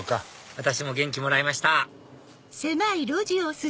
私も元気もらいました